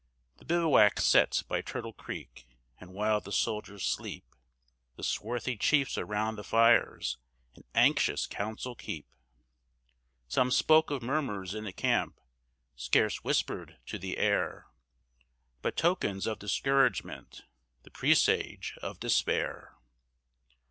The bivouac's set by Turtle Creek; and while the soldiers sleep, The swarthy chiefs around the fires an anxious council keep; Some spoke of murmurs in the camp, scarce whispered to the air, But tokens of discouragement, the presage of despair.